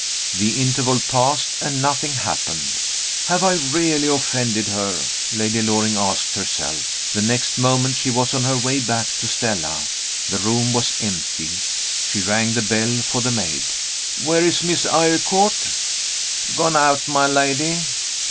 The interval passed, and nothing happened. "Have I really offended her?" Lady Loring asked herself. The next moment she was on her way back to Stella. The room was empty. She rang the bell for the maid. "Where is Miss Eyrecourt?" "Gone out, my lady."